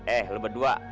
eh lo berdua